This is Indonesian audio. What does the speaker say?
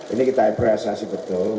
ini kita apresiasi betul